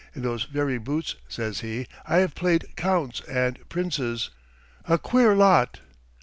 In those very boots,' says he, 'I have played counts and princes.' A queer lot!